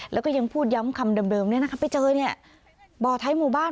แล้วก็ยังพูดย้ำคำเดิมเดิมเนี้ยนะคะไปเจอเนี้ยบ่อท้ายหมู่บ้าน